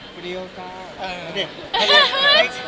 วิดีโอกาส